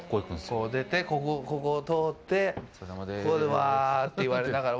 こう出て、ここを通ってここで、わあって言われながら。